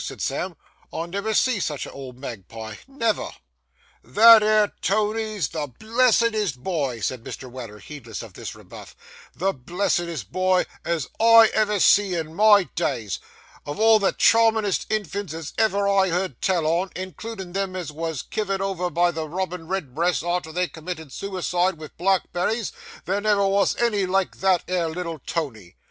said Sam; 'I never see such a old magpie—never!' [Picture: Tony Weller and his Grandson] 'That 'ere Tony is the blessedest boy,' said Mr. Weller, heedless of this rebuff, 'the blessedest boy as ever I see in my days! of all the charmin'est infants as ever I heerd tell on, includin' them as was kivered over by the robin redbreasts arter they'd committed sooicide with blackberries, there never wos any like that 'ere little Tony.